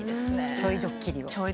ちょいドッキリ。